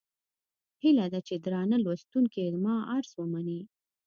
هيله ده چې درانه لوستونکي زما عرض ومني.